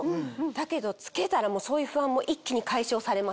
だけど着けたらそういう不安も一気に解消されました。